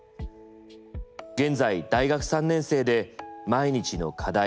現在大学３年生で毎日の課題